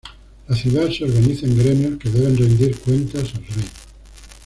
La ciudad se organiza en gremios que deben rendir cuentas al rey.